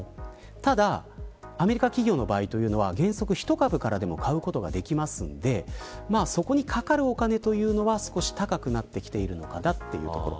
ただ、アメリカ企業の場合は原則１株からでも買うことができるのでそこにかかるお金というのは少し高くなってきているのかなというところ。